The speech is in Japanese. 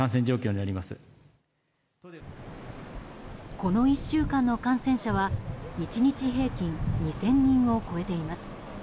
この１週間の感染者は１日平均２０００人を超えています。